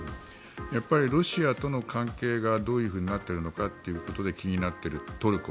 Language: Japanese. やっぱりロシアとの関係がどうなっているかということで気になっているトルコ。